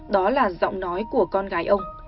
đó là giọng nói của con gái ông